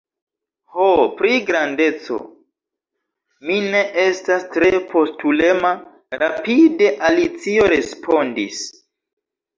"Ho, pri grandeco, mi ne estas tre postulema," rapide Alicio respondis. "